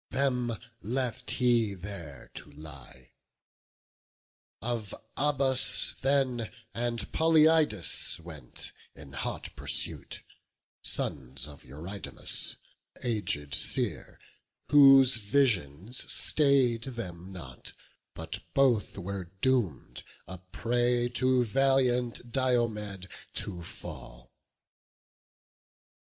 Them left he there to lie; of Abas then And Polyeidus went in hot pursuit, Sons of Eurydamas, an aged seer, Whose visions stay'd them not; but both were doom'd A prey to valiant Diomed to fall.